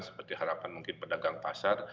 seperti harapan mungkin pedagang pasar